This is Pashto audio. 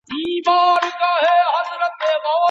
خلګ د پيغورونو له امله حيران پاتې دي.